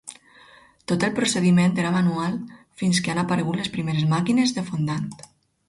Tot el procediment era manual fins que han aparegut les primeres màquines de fondant.